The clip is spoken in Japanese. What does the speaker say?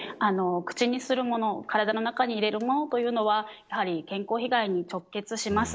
口にするもの、体の中に入れるものというのはやはり健康被害に直結します。